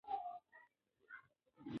ده د خلکو ترمنځ د اړيکو پياوړتيا غوښتله.